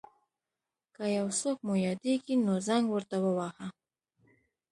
که یو څوک مو یاديږي نو زنګ ورته وواهه.